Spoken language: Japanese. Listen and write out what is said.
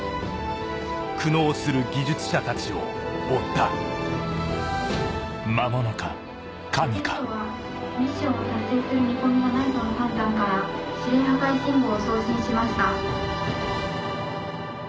苦悩する技術者たちを追ったロケットはミッションを達成する見込みがないとの判断から指令破壊信号を送信しました。